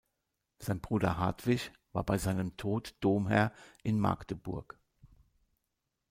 Sein Bruder Hartwig war bei seinem Tod Domherr in Magdeburg.